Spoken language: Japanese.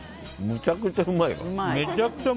むちゃくちゃうまいわ。